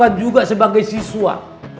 bapak juga sebagai siswa